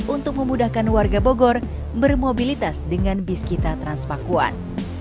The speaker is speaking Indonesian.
untuk memudahkan warga bogor bermobilitas dengan biskita transpakuan